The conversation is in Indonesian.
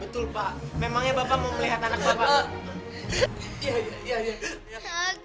betul pak memangnya bapak mau melihat anak bapak